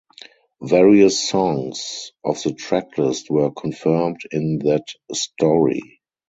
Various songs of the tracklist were confirmed in that story.